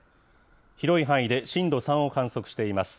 広い範囲で震度３を観測しています。